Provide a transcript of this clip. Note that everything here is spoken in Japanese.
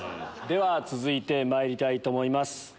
では続いてまいりたいと思います。